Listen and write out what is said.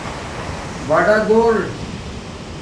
بڑاگھُور